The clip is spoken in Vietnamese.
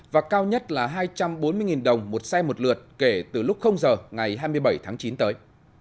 và cao nhất là hai trăm bốn mươi đồng một xe một lượt kể từ lúc giờ ngày hai mươi bảy tháng chín tới